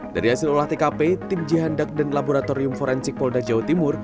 dari hasil olah tkp tim jihandak dan laboratorium forensik polda jawa timur